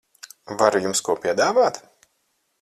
Varu jums ko piedāvāt?